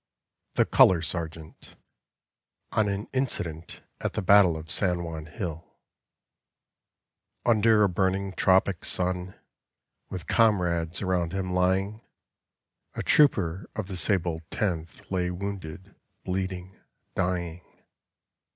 THE COLOR SERGEANT (On an Incident at the Battle of San Juan Hill) Under a burning tropic sun, With comrades around him lying, A trooper of the sable Tenth Lay wounded, bleeding, dying.